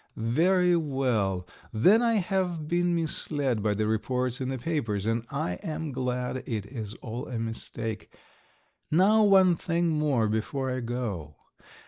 "Very well, then I have been misled by the reports in the papers, and I am glad it is all a mistake. Now one thing more before I go.